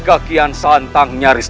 akan datang bestimmta kou